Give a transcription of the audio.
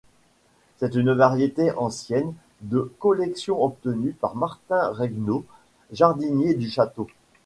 C'est une variété ancienne de collection obtenue par Martin Regnault, jardinier du château.